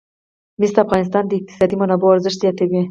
مس د افغانستان د اقتصادي منابعو ارزښت زیاتوي.